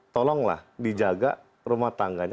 tolonglah dijaga rumah tangganya